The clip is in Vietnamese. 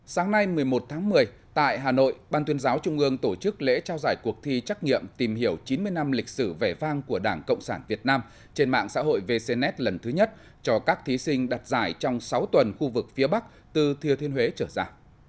sáng nay một mươi một tháng một mươi tại hà nội ban tuyên giáo trung ương tổ chức lễ trao giải cuộc thi trắc nghiệm tìm hiểu chín mươi năm lịch sử vẻ vang của đảng cộng sản việt nam trên mạng xã hội vcnet lần thứ nhất cho các thí sinh đặt giải trong sáu tuần khu vực phía bắc từ thiên huế trở ra